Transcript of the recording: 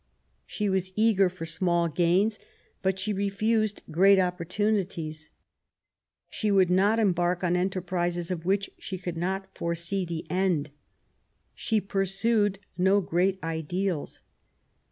She was eager for small gains, but she refused great opportunities. She would not embark on enterprises of which she could not foresee the end. She pursued no great ideals.